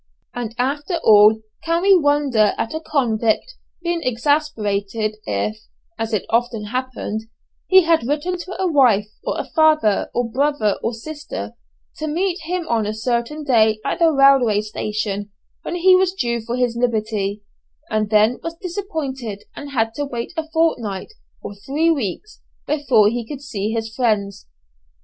And after all can we wonder at a convict being exasperated if, as it often happened, he had written to a wife, or a father, or brother or sister to meet him on a certain day at the railway station, when he was due for his liberty, and then was disappointed and had to wait a fortnight or three weeks before he could see his friends?